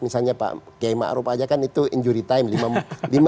misalnya pak km arup aja kan itu injuritasi